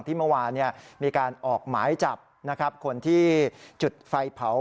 เมื่อวานมีการออกหมายจับนะครับคนที่จุดไฟเผา